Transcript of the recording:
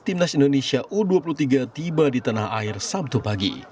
timnas indonesia u dua puluh tiga tiba di tanah air sabtu pagi